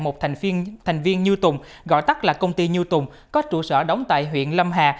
một thành viên thành viên như tùng gọi tắt là công ty như tùng có trụ sở đóng tại huyện lâm hà